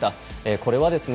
これはですね